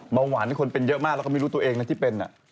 เบาหวานคนเป็นเยอะมากแล้วก็ไม่รู้ตัวเองนะที่เป็น